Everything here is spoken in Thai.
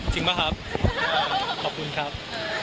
จริงปะครับขอบคุณครับ